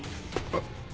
あっ！